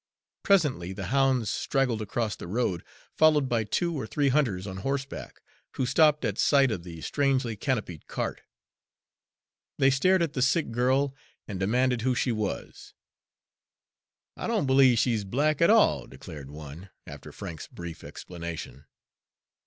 Presently, the hounds straggled across the road, followed by two or three hunters on horseback, who stopped at sight of the strangely canopied cart. They stared at the sick girl and demanded who she was. "I don't b'lieve she's black at all," declared one, after Frank's brief explanation.